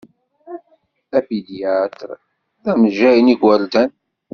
Apidyatr d amejjay n igʷerdan.